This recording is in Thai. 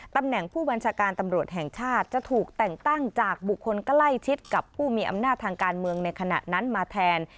ตำแหน่งผู้บัญชาการตำรวจแห่งชาติจะถูกแต่งตั้งจากบุคคลใกล้ชิดกับผู้มีอำนาจทางการเมืองในขณะนั้นมาแทน